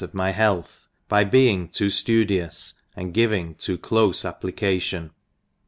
of my health, by being too ibidious, and giving too clofe application.